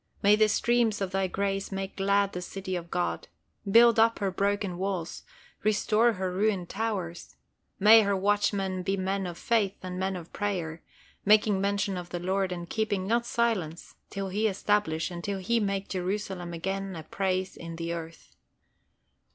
May the streams of Thy grace make glad the city of God. Build up her broken walls; restore her ruined towers; may her watchmen be men of faith and men of prayer; making mention of the Lord, and keeping not silence, till He establish, and till he make Jerusalem again a praise in the earth.